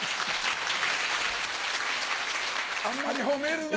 あんまり褒めるな！